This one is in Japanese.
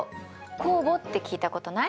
酵母って聞いたことない？